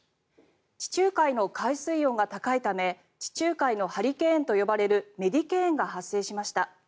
地中海の海水温が高いため地中海のハリケーンと呼ばれるメディケーンが発生しました。